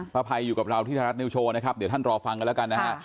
ภัยอยู่กับเราที่ไทยรัฐนิวโชว์นะครับเดี๋ยวท่านรอฟังกันแล้วกันนะฮะ